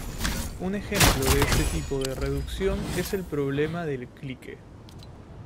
Un ejemplo de este tipo de reducción es el problema del "Clique".